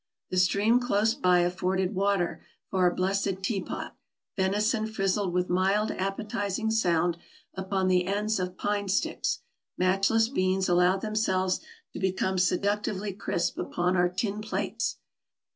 The stream close by afforded water for our blessed teapot; venison frizzled with mild, appetizing sound upon the ends of pine sticks; matchless beans allowed themselves to become seductively crisp upon our tin plates.